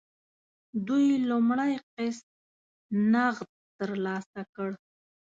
دوی لومړنی قسط نغد ترلاسه کړ.